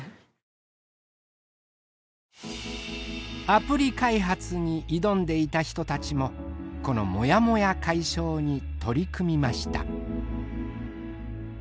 アプリ開発に挑んでいた人たちもこのもやもや解消に取り組みました。